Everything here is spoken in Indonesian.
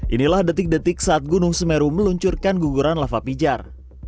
inilah detik detik saat gunung semeru meluncurkan guguran lava pijar